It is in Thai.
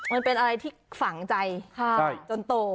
มันเป็นอะไรที่ฝังใจจนโต